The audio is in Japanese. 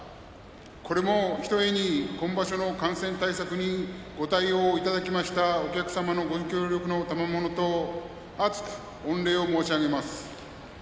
これもひとえに、今場所の感染対策にご対応いただきましたお客様のご協力のたまものと厚く、御礼を申し上げます。